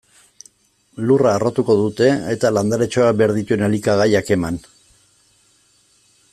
Lurra harrotuko dute, eta landaretxoak behar dituen elikagaiak eman.